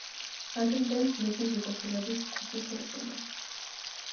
ადრინდელი ძმები ზუბალაშვილების ქუჩის ნაწილი.